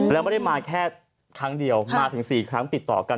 แล้วไม่ได้มาแค่ครั้งเดียวมาถึง๔ครั้งติดต่อกัน